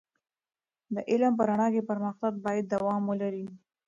د علم په رڼا کې پر مختګ باید دوام ولري.